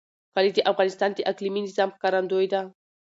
کلي د افغانستان د اقلیمي نظام ښکارندوی ده.